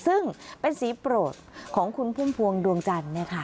ซึ่งเป็นสีโปรดของคุณพุ่มพวงดวงจันทร์